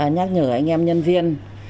nhắc nhở anh em nhân viên